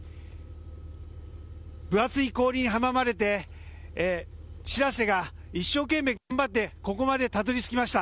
分厚い氷に阻まれてしらせが、一生懸命頑張ってここまでたどり着きました。